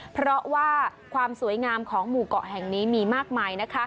เพราะว่าความสวยงามของหมู่เกาะแห่งนี้มีมากมาย